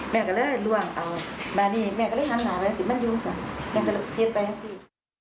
แม่ก็เลยล่วงเอามานี่แม่ก็เลยหังหาไว้มันอยู่ค่ะแม่ก็เลยเทพไปให้สิ